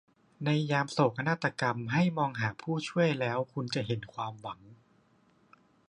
ในยามโศกนาฏกรรมให้มองหาผู้ช่วยแล้วคุณจะเห็นความหวัง